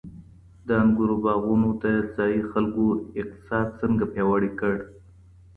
د انګورو باغونو د ځایی خلګو اقتصاد څنګه پیاوړی کړ؟